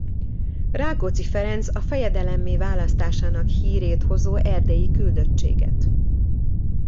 Rákóczi Ferenc a fejedelemmé választásának hírét hozó erdélyi küldöttséget.